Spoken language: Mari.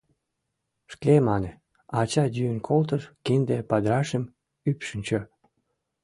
— Шке, мане, — ача йӱын колтыш, кинде падырашым ӱпшынчӧ.